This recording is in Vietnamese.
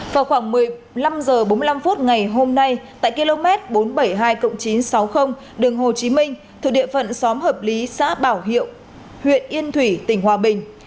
vào khoảng một mươi năm h bốn mươi năm ngày hôm nay tại km bốn trăm bảy mươi hai chín trăm sáu mươi đường hồ chí minh thuộc địa phận xóm hợp lý xã bảo hiệu huyện yên thủy tỉnh hòa bình